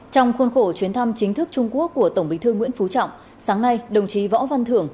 trong khuôn khổ chuyến thăm chính thức trung quốc của tổng bí thư nguyễn phú trọng sáng nay đồng chí võ văn thưởng